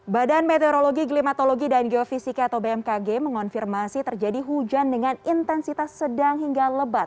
badan meteorologi klimatologi dan geofisika atau bmkg mengonfirmasi terjadi hujan dengan intensitas sedang hingga lebat